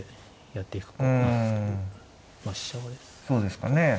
そうですかね。